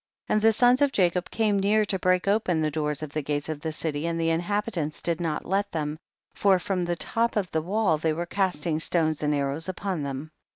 29. And the sons of Jacob came near to break open the doors of the gates of the city, and the inhabitants did not let them, for from the top of the wall they were casting stones and arrows upon them.